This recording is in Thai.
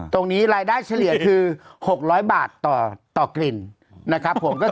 ตรงนี้รายได้เฉลี่ยคือ๖๐๐บาทต่อกลิ่นนะครับผม